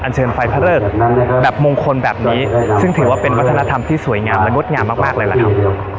เชิญไฟพระเริกแบบมงคลแบบนี้ซึ่งถือว่าเป็นวัฒนธรรมที่สวยงามและงดงามมากเลยล่ะครับ